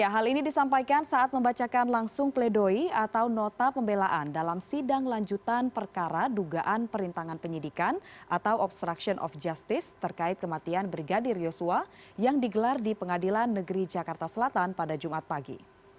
hal ini disampaikan saat membacakan langsung pledoi atau nota pembelaan dalam sidang lanjutan perkara dugaan perintangan penyidikan atau obstruction of justice terkait kematian brigadir yosua yang digelar di pengadilan negeri jakarta selatan pada jumat pagi